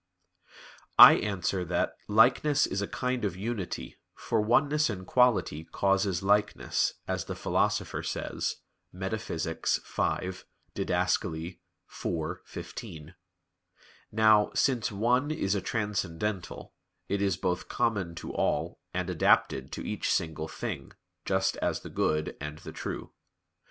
I answer that, Likeness is a kind of unity, for oneness in quality causes likeness, as the Philosopher says (Metaph. v, Did. iv, 15). Now, since "one" is a transcendental, it is both common to all, and adapted to each single thing, just as the good and the true.